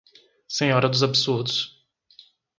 Senhora dos absurdos